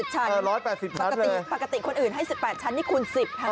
ปกติคนอื่นให้๑๘ชั้นนี่คูณ๑๐ค่ะ